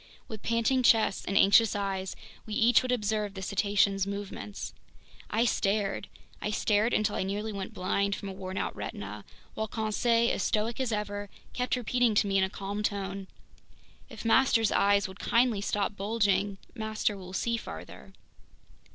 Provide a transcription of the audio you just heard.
With panting chests and anxious eyes, we each would observe the cetacean's movements. I stared; I stared until I nearly went blind from a worn out retina, while Conseil, as stoic as ever, kept repeating to me in a calm tone: "If master's eyes would kindly stop bulging, master will see farther!"